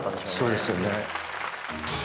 そうですよね。